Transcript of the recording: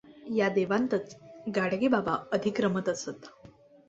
या देवांतच गाडगेबाबा अधिक रमत असत.